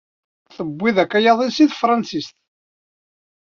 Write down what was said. Tewwi-d akayad-is n tefṛansit.